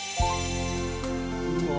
うわ。